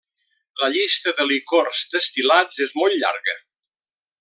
La llista de licors destil·lats és molt llarga.